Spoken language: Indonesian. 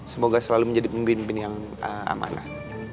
semoga selalu menjadi pemimpin yang amanah